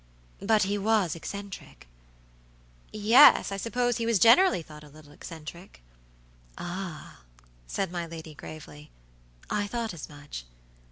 "But he was eccentric?" "Yes; I suppose he was generally thought a little eccentric." "Ah," said my lady, gravely, "I thought as much.